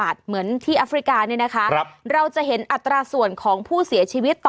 เหมือนที่แอฟริกาเนี่ยนะคะเราจะเห็นอัตราส่วนของผู้เสียชีวิตต่อ